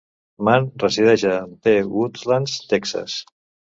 Mann resideix a The Woodlands, Texas.